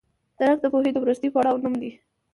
درک د پوهې د وروستي پړاو نوم دی.